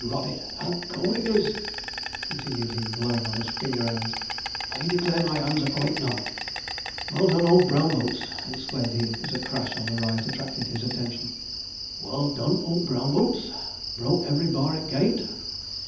'Ord rot it, how cold it is!' continued he, blowing on his finger ends; 'I declare my 'ands are quite numb. Well done, old brown bouts!' exclaimed he, as a crash on the right attracted his attention; 'well done, old brown bouts! broke every bar i' the gate!'